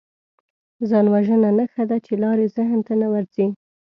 ځانوژنه نښه ده چې لارې ذهن ته نه ورځي